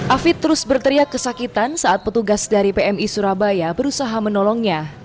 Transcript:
afid terus berteriak kesakitan saat petugas dari pmi surabaya berusaha menolongnya